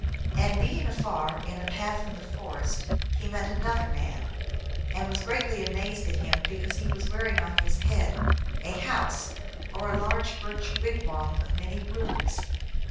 And being afar, in a path in the forest, he met an other man, and was greatly amazed at him because he was bearing on his head a house, or a large birch wig wam of many rooms.